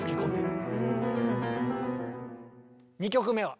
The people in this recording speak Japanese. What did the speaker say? ２曲目は？